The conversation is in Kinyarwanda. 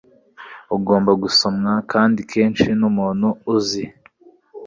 Ugomba gusomwa kandi kenshi n'umuntu uzi